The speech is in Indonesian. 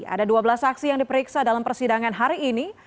ada dua belas saksi yang diperiksa dalam persidangan hari ini